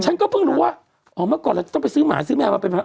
ฉันก็เพิ่งรู้ว่าอ๋อเมื่อก่อนเราต้องไปซื้อหมาซื้อแมวมาเป็นพระ